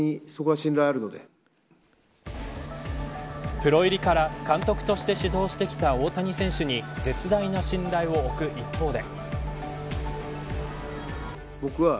プロ入りから監督として指導してきた大谷選手に絶大な信頼を置く一方で。